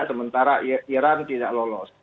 sementara iran tidak lolos